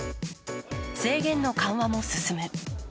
制限の緩和も進む。